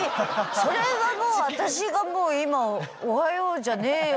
それはもう私がもう今「おはようじゃねーよ」